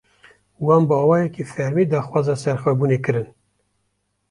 Wan bi awayekî fermî, daxwaza serxwebûnê kirin